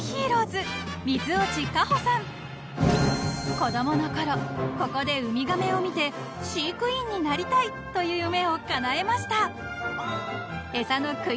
［子供の頃ここでウミガメを見て飼育員になりたいという夢をかなえました］